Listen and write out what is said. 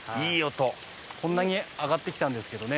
こんなに上がってきたんですけどね